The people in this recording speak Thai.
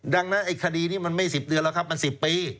ดังนั้นไอ้คดีนี้มันไม่๑๐เดือนแล้วครับมัน๑๐ปี